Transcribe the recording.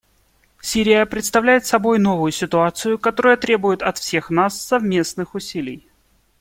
Сирия представляет собой новую ситуацию, которая требует от всех нас совместных усилий.